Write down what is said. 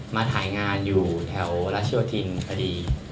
มาถ่ายงานอยู่แถวรัชโยธินพอดี